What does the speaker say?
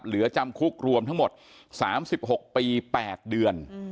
เหลือจำคุกรวมทั้งหมด๓๖ปี๘เดือน